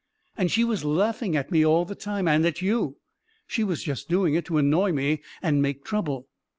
And she was laughing at me all the time — and at you. She was just doing it to annoy me and make trouble